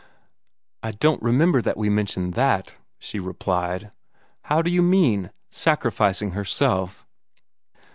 "I don't remember that we mentioned THAT," she replied. "How do you mean sacrificing herself?"